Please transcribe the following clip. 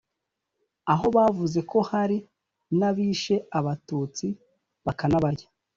aho bavuze ko hari n’abishe Abatutsi bakanabarya